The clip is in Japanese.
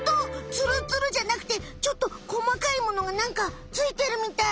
ツルツルじゃなくてちょっとこまかいものがなんかついてるみたい。